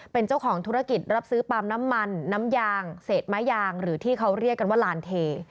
เป็นเจ้าของธุรกิจรับซื้อปาล์มน้ำมันน้ำยางเศษไม้ยางหรือที่เขาเรียกกันว่าลานเท